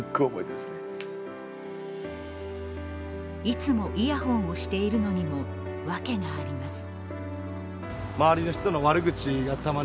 いつもイヤホンをしているのにもわけがあります。